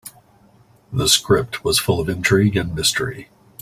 The script was full of intrigue and mystery.